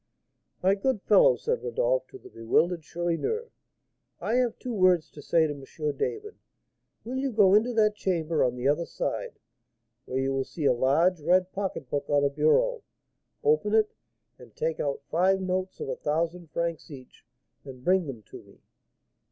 "My good fellow," said Rodolph to the bewildered Chourineur, "I have two words to say to M. David; will you go into that chamber on the other side, where you will see a large red pocketbook on a bureau; open it and take out five notes of a thousand francs each, and bring them to me."